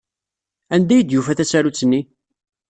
Anda ay d-yufa tasarut-nni?